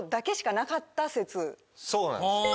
そうなんです。